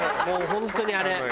もう本当にあれ。